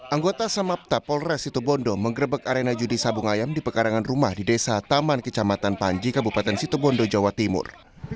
anggota samapta polres situbondo mengerebek arena judi sabung ayam di pekarangan rumah di desa taman kecamatan panji kabupaten situbondo jawa timur